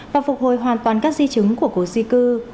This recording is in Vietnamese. và phục hồi hoàn toàn các di chứng của cuộc di cư